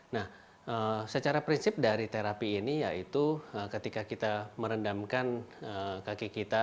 nah secara prinsip dari terapi ini yaitu ketika kita merendamkan kaki kita